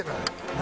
何？